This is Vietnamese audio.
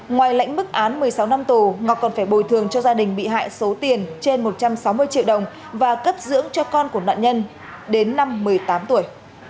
ngoài lãnh mức án một mươi sáu năm tù ngọc còn phải bồi thường cho gia đình bị hại số tiền trên một trăm sáu mươi triệu đồng và cấp dưỡng cho con của nạn nhân đến năm một mươi tám tuổi